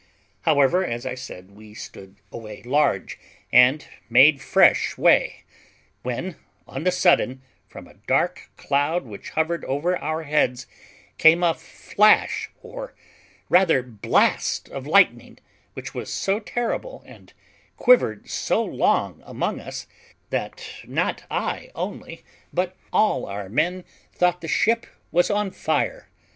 However, as I said, we stood away large, and made fresh way, when, on the sudden, from a dark cloud which hovered over our heads, came a flash, or rather blast, of lightning, which was so terrible, and quivered so long among us, that not I only, but all our men, thought the ship was on fire.